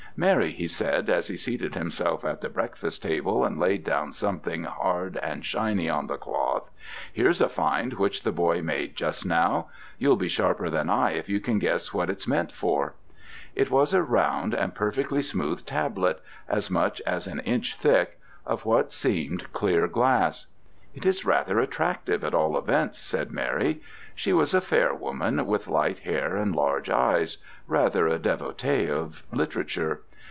"Mary," he said, as he seated himself at the breakfast table and laid down something hard and shiny on the cloth, "here's a find which the boy made just now. You'll be sharper than I if you can guess what it's meant for." It was a round and perfectly smooth tablet as much as an inch thick of what seemed clear glass. "It is rather attractive at all events," said Mary: she was a fair woman, with light hair and large eyes, rather a devotee of literature.